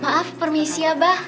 maaf permisi aba